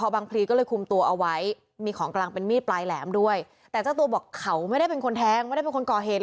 บุรูปรังค์